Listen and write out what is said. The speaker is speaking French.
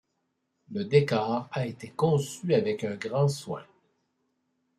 Le décor a été conçu avec un grand soin.